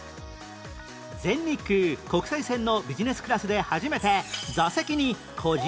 全日空国際線のビジネスクラスで初めて